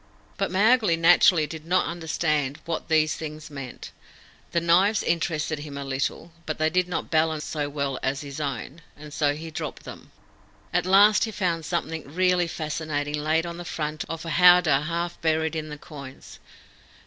But Mowgli naturally did not understand what these things meant. The knives interested him a little, but they did not balance so well as his own, and so he dropped them. At last he found something really fascinating laid on the front of a howdah half buried in the coins.